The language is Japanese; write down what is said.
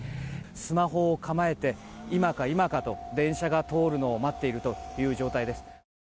スマホを構えて、今か今かと電車が通るのを待っています。